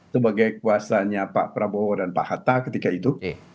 sebagai kuasanya pak prabowo dan pak hatta ketika itu